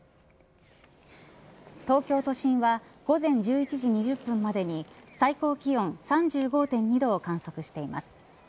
東京都心は午前１１時２０分までに最高気温３５．２度を観測しています。